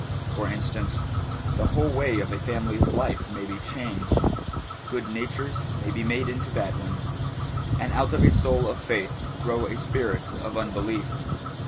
For instance, the whole way of a family's life may be changed. Good natures may be made into bad ones and out of a soul of faith grow a spirit of unbelief.